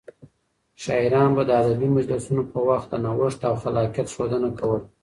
شاعران به د ادبي مجلسونو په وخت د نوښت او خلاقيت ښودنه کوله.